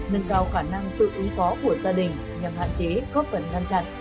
nâng cao khả năng tự ứng phó của gia đình nhằm hạn chế góp phần ngăn chặn